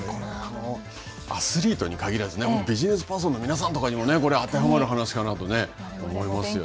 アスリートに限らずビジネスパーソンの皆さんとかにもこれは当てはまる話かなと思いますよね。